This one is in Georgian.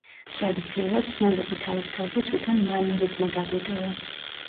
ტრადიციულად, ცნობები თავის თავზე თვითონ მაინ რიდმა დაგვიტოვა.